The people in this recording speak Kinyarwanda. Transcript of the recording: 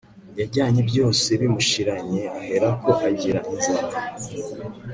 yajyanye byose bimushiranye, aherako agira inzara